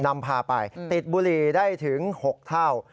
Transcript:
นำพาไปติดบุหรี่ได้ถึง๖เท่า